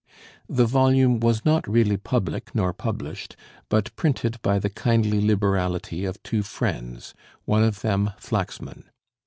The volume was not really public nor published, but printed by the kindly liberality of two friends, one of them Flaxman.